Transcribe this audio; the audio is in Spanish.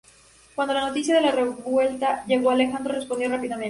Cuando la noticia de la revuelta llegó a Alejandro respondió rápidamente.